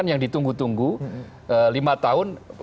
yang ditunggu tunggu lima tahun